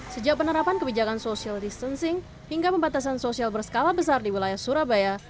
sejak penerapan kebijakan social distancing hingga pembatasan sosial berskala besar di wilayah surabaya